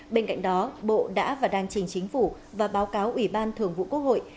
bên cạnh đó bộ đã và đang trình chính phủ và báo cáo ủy ban thường vụ quốc hội